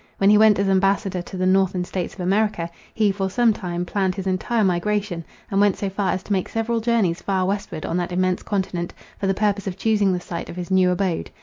When he went as ambassador to the Northern States of America, he, for some time, planned his entire migration; and went so far as to make several journies far westward on that immense continent, for the purpose of choosing the site of his new abode.